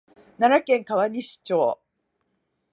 奈良県川西町